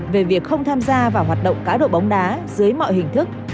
về việc không tham gia vào hoạt động cá độ bóng đá dưới mọi hình thức